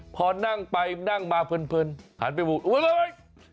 พอนั่งไปนั่งมาเพลินหันไปบูดอุ๊ย